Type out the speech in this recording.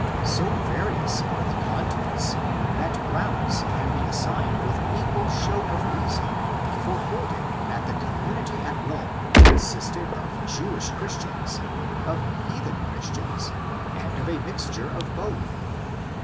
So various are the contents that grounds can be assigned with equal show of reason for holding THE UNITY OF THE BOOK 107 that the community at Rome consisted of Jewish Christians, of heathen Christians, and of a mixture of both.